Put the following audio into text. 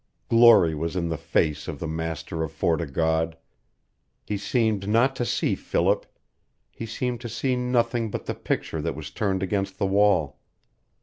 Glory was in the face of the master of Fort o' God. He seemed not to see Philip he seemed to see nothing but the picture that was turned against the wall.